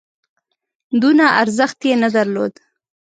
دونه ارزښت یې نه درلود.